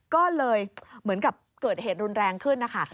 ก็เลยเหมือนกับเกิดเหตุรุนแรงขึ้นนะคะ